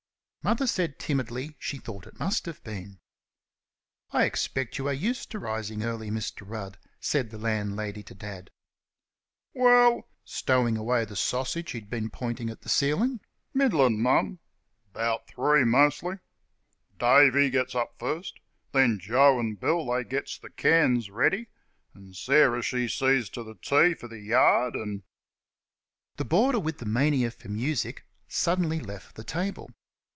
Mother said timidly she thought it must have been. "I expect you are used to early rising, Mr. Rudd?" said the landlady to Dad. "Well" stowing away the sausage he had been pointing at the ceiling "middlin', mum; 'bout three mostly. Dave, he gits up fust; then Joe an' Bill they gets the cans ready, an' Sarah she sees ter th' tea fer th' yard an' " The boarder with the mania for music suddenly left the table.